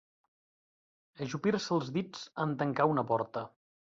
Ajupir-se els dits en tancar una porta.